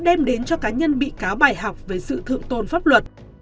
ông văn đã bài học về sự thượng tôn pháp luật